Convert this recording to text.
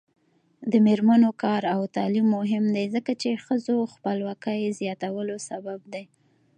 د میرمنو کار او تعلیم مهم دی ځکه چې ښځو خپلواکۍ زیاتولو سبب دی.